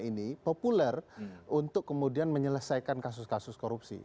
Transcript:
dan kemudian kemudian populer untuk kemudian menyelesaikan kasus kasus korupsi